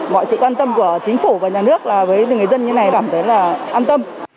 mọi sự quan tâm của chính phủ và nhà nước là với người dân như này cảm thấy là an tâm